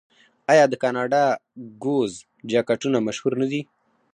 آیا د کاناډا ګوز جاکټونه مشهور نه دي؟